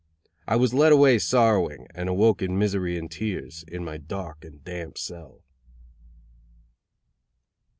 I was led away sorrowing, and awoke in misery and tears, in my dark and damp cell.